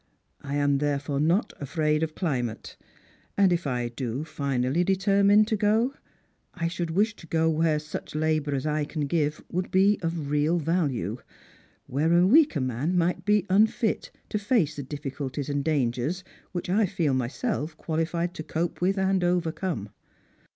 I am therefore not afraid of climate; and if I do finally determine to go, I should wish to go where such labour as I can give would be of real value ; where a weaker man might be unfit to face the difficulties and dangers which I feel myself qualified to cope with and overcome.